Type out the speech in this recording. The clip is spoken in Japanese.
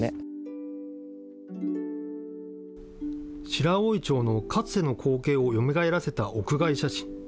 白老町のかつての光景をよみがえらせた屋外写真。